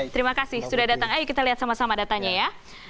terima kasih sudah datang ayo kita lihat sama sama datanya ya